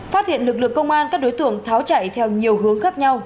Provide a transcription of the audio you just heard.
phát hiện lực lượng công an các đối tượng tháo chạy theo nhiều hướng khác nhau